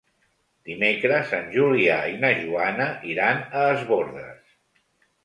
Dimecres en Julià i na Joana iran a Es Bòrdes.